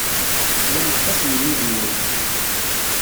Tlam aṭas n yimidiwen.